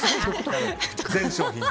全商品の？